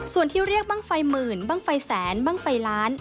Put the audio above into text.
ส่วนที่เรียกบ้างไฟหมื่นบ้างไฟแสนบ้างไฟล้าน